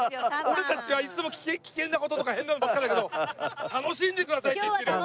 俺たちはいつも危険な事とか変な事ばっかだけど楽しんでくださいって言ってるよ。